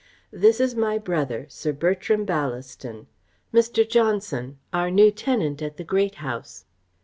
"This is my brother, Sir Bertram Ballaston Mr. Johnson, our new tenant at the Great House."